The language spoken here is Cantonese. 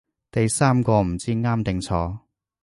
第三個唔知啱定錯